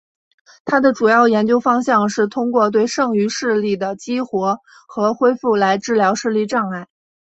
他的主要研究方向是通过对剩余视力的激活和恢复来治疗视力障碍。